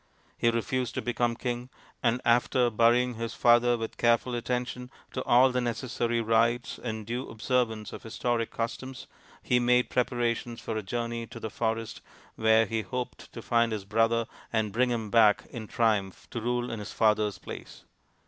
He refused to become king, and, after burying his father with careful attention to all the necessary rites and due observance of historic customs, he made preparations for a journey to the zo THE INDIAN STORY BOOK forest, where he hoped to find his brother and bring him back in triumph to rule in his father's place.